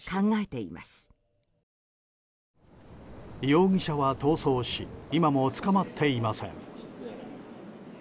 容疑者は逃走し今も捕まっていません。